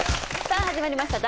さあ始まりました